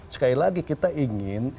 sekali lagi kita ingin